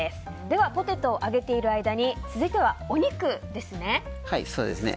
ではポテトを揚げている間に続いてはお肉ですね。